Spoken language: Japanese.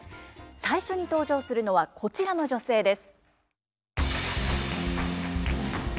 最初に登場するのはこちらの女性です。